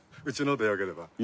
うちのでよければ。